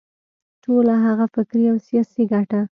ټوله هغه فکري او سیاسي ګټه.